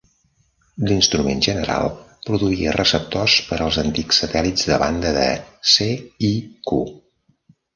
L'instrument general produïa receptors per als antics satèl·lits de banda de C i Ku.